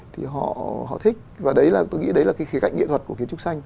thì họ thích và đấy là tôi nghĩ